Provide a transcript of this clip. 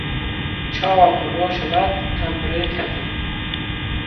Çawa ku roj hilat em bi rê ketin.